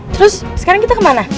terus sekarang kita kemana